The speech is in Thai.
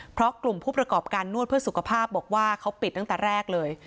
เพราะกลุ่มผู้ประกอบการนวดเพื่อสุขภาพบอกว่าเขาปิดตั้งแต่แรกเลย